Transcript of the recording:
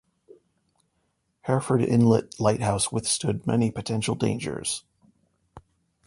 Hereford Inlet Lighthouse withstood many potential dangers.